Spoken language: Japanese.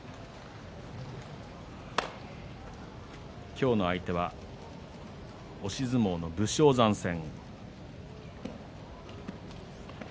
今日の相手は押し相撲の武将山戦。